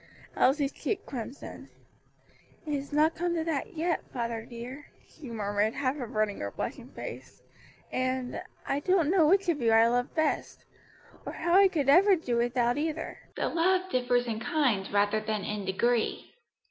Elsie's cheek crimsoned. "It has not come to that yet, father dear," she murmured, half averting her blushing face; "and I don't know which of you I love best or how I could ever do without either: the love differs in kind rather than in degree."